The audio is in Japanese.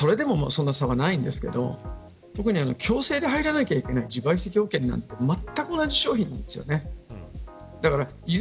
それでもそんなに差はないんですけど特に強制で入らないといけない自賠責保険なんてまったく同じ商品ですよね。